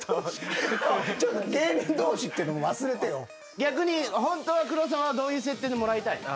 逆にホントは黒沢はどういう設定でもらいたいの？